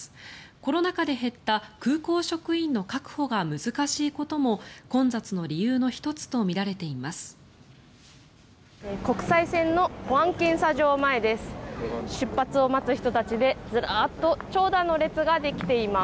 コロナ禍で減った空港職員の確保が難しいことも混雑の理由の１つとみられています。